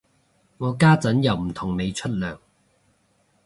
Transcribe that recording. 我家陣又唔同你出糧